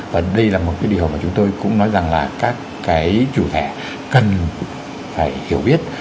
và đây là một cái điều mà chúng tôi cũng nói rằng là các cái chủ thẻ cần phải hiểu biết